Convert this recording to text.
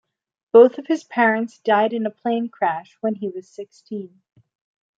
Both of his parents died in a plane crash when he was sixteen.